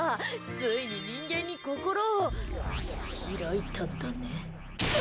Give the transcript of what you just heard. ついに人間に心を開いたんだね。